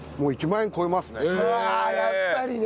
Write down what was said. ああやっぱりね！